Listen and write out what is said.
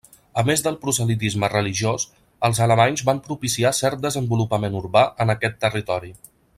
A més del proselitisme religiós els alemanys van propiciar cert desenvolupament urbà en aquest territori.